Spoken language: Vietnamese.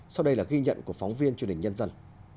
sau đây là ghi nhận của phóng viên truyền hình nhân dân